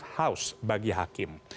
seif haus bagi hakim